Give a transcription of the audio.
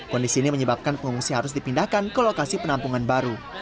kondisi ini menyebabkan pengungsi harus dipindahkan ke lokasi penampungan baru